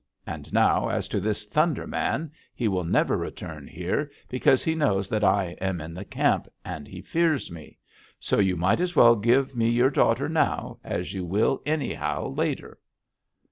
And now, as to this Thunder Man, he will never return here because he knows that I am in the camp, and he fears me. So you might as well give me your daughter now, as you will anyhow later.'